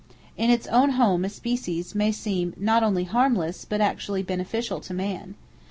In its own home a species may seem not only harmless, but actually beneficial to man.